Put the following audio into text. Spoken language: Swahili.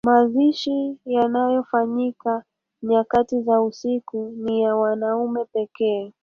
Mazishi yanayofanyika nyakati za usiku ni ya wanaume pekee